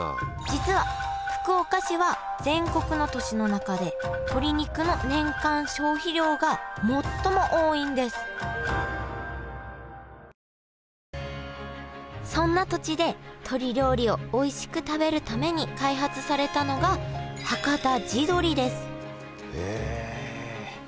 実は福岡市は全国の都市の中で鶏肉の年間消費量が最も多いんですそんな土地で鶏料理をおいしく食べるために開発されたのがはかた地どりですへえ。